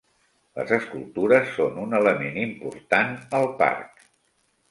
Les escultures són un element important al parc.